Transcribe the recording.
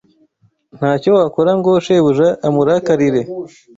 Ntacyo wakora ngo shebuja amurakarire